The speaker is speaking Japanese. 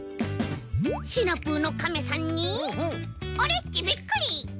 シナプーのカメさんにオレっちびっくり！